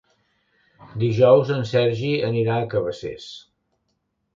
Dijous en Sergi anirà a Cabacés.